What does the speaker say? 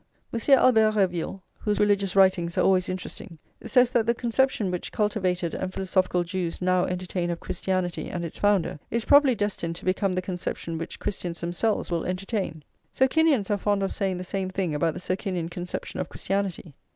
Monsieur Albert Reville, whose religious writings are always interesting, says that the conception which cultivated and philosophical Jews now entertain of Christianity and its founder, is probably destined to become the conception which Christians themselves will entertain. Socinians are fond of saying the same thing about the Socinian conception of Christianity.